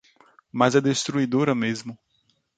Mas é destruidora mesmo